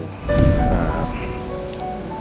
karena mau ketemu sama andin